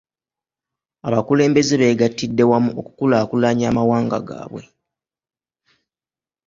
Abakulembeze beegatidde wamu okukulaakulanya amawanga gaabwe.